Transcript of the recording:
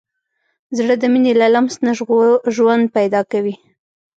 زړه د مینې له لمس نه ژوند پیدا کوي.